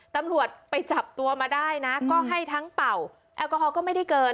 ตำรวจไปจับตัวมาได้นะก็ให้ทั้งเป่าแอลกอฮอลก็ไม่ได้เกิน